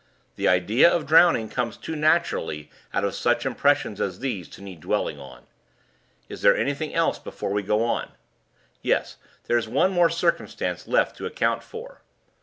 The idea of drowning comes too naturally out of such impressions as these to need dwelling on. Is there anything else before we go on? Yes; there is one more circumstance left to account for."